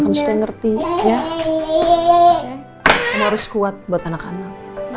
harus kuat buat anak anak